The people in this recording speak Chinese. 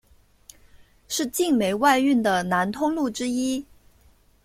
是晋煤外运的南通路之一。